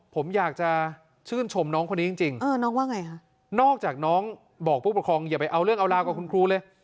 ผมอยากจะชื่นชมน้องคนนี้จริงเออน้องว่าไงคะนอกจากน้องบอกผู้ปกครองอย่าไปเอาเรื่องเอาราวกับคุณครูเลย